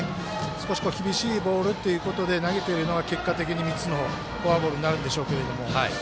少し厳しいボールということで投げているのが結果的に３つのフォアボールになるんでしょうけど。